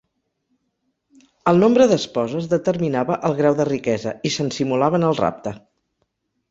El nombre d'esposes determinava el grau de riquesa, i se'n simulaven el rapte.